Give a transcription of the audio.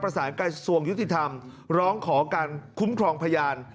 กระทรวงยุติธรรมร้องขอการคุ้มครองพยาน